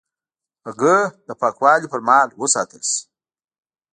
هګۍ د پاکوالي پر مهال باید وساتل شي.